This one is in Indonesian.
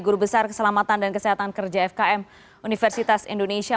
guru besar keselamatan dan kesehatan kerja fkm universitas indonesia